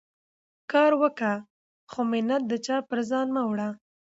کار وکه، خو مینت د چا پر ځان مه وړه.